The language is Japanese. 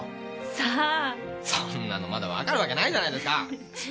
さあそんなのまだ分かるわけないじゃないですか